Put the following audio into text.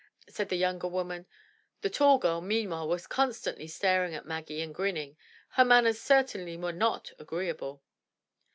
said the younger woman. The tall girl meanwhile was constantly staring at Maggie and grinning. Her manners certainly were not agreeable.